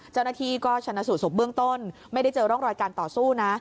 เจ้าหน้าที่ก็ชนะสูตศพเบื้องต้นไม่ได้เจอร่องรอยการต่อสู้นะ